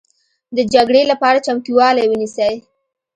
د جګړې لپاره چمتوالی ونیسئ